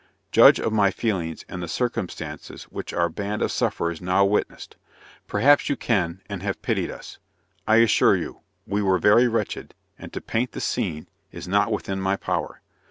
Judge of my feelings, and the circumstances which our band of sufferers now witnessed. Perhaps you can and have pitied us. I assure you, we were very wretched; and to paint the scene, is not within my power.